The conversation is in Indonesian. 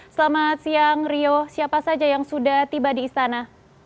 selamat siang rio siapa saja yang sudah tiba di istana